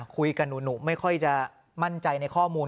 คุยกับหนูไม่ค่อยจะมั่นใจในข้อมูล